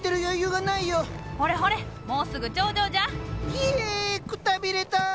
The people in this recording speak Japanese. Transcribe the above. ひえくたびれた！